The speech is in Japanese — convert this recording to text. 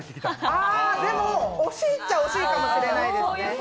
ああ、でも惜しいっちゃ惜しいかもしれないです。